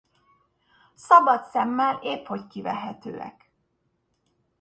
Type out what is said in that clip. Szabad szemmel épphogy kivehetőek.